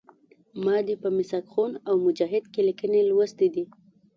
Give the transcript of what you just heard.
ما دې په میثاق خون او مجاهد کې لیکنې لوستي دي.